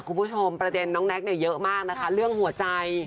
คุณผู้ชมประเด็นน้องแน็กเนี่ยเยอะมากนะคะเรื่องหัวใจ